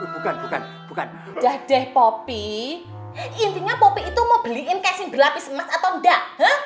bukan bukan bukan jajah popi intinya popi itu mau beliin casing berlapis atau enggak